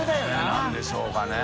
佑何でしょうかね？